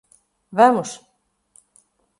Vamos